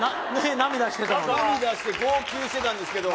涙して号泣してたんですけど。